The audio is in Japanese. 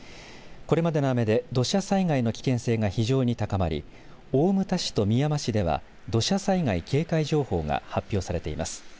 これまでの雨で土砂災害の危険性が非常に高まり大牟田市とみやま市では土砂災害警戒情報が発表されています。